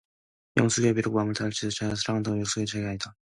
영숙이가 비록 마음을 다 하여 자기를 사랑한다 하더라도 지금에 영숙은 자기 게 아니다.